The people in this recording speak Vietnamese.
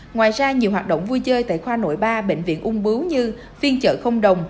ngoài ra nhiều hoạt động vui chơi tại khoa nội ba bệnh viện ung bướu như phiên chợ không đồng